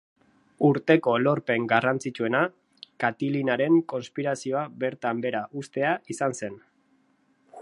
Urteko lorpen garrantzitsuena Katilinaren konspirazioa bertan behera uztea izan zen.